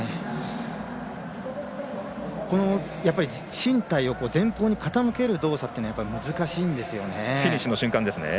身体を前方に傾ける動作というおは難しいんですよね。